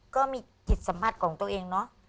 ก็มีจิตสัมผัสของตัวเองเนาะ